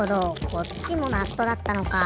こっちもナットだったのか。